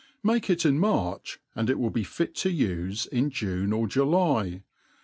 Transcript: Make it in March, and it will be fit to ufe ;n June or July.